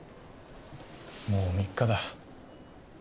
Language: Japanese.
もう３日だ。